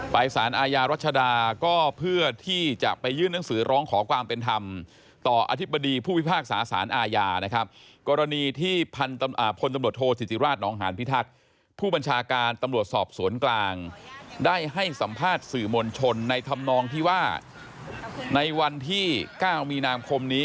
สารอาญารัชดาก็เพื่อที่จะไปยื่นหนังสือร้องขอความเป็นธรรมต่ออธิบดีผู้พิพากษาสารอาญานะครับกรณีที่พลตำรวจโทษศิติราชนองหานพิทักษ์ผู้บัญชาการตำรวจสอบสวนกลางได้ให้สัมภาษณ์สื่อมวลชนในธรรมนองที่ว่าในวันที่๙มีนาคมนี้